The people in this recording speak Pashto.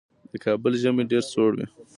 د کابل ژمی ډېر سوړ وي.